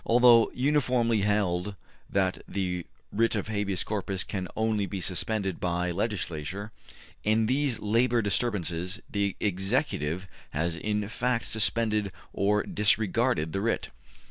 Although uniformly held that the writ of habeas corpus can only be suspended by the legislature, in these labor disturbances the executive has in fact suspended or disregarded the writ.